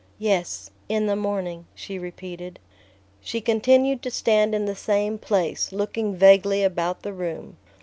"Yes, in the morning," she repeated. She continued to stand in the same place, looking vaguely about the room.